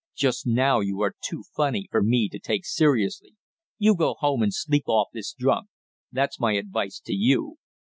Just now you are too funny for me to take seriously. You go home and sleep off this drunk; that's my advice to you!